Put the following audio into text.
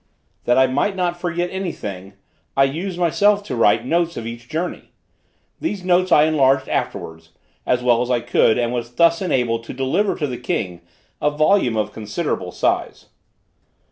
That I might not forget any thing, I used myself to write notes of each journey. These notes I enlarged afterwards, as well as I could, and was thus enabled to deliver to the king a volume of considerable size.